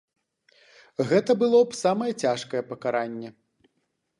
Гэта было б самае цяжкае пакаранне.